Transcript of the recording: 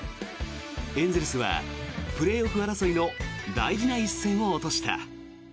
エンゼルスはプレーオフ争いの大事な一戦を落とした。